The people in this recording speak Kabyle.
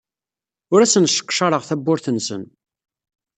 Ur asen-sseqcareɣ tawwurt-nsen.